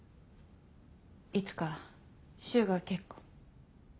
いつか柊が結婚。